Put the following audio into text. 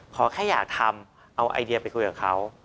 ขอแค่อยากทำเอาไอเดียไปคุยกับเขา